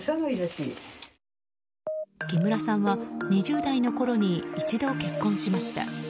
木村さんは２０代のころに一度結婚しました。